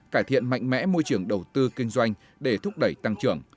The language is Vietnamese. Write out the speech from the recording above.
cải thiện mạnh mẽ môi trường đầu tư kinh doanh để thúc đẩy tăng trưởng